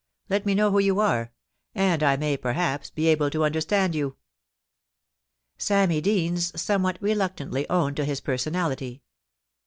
Let me know who you are, and I may perhaps be able to understand you.' Sammy Deans somewhat reluctantly owned to his per sonality.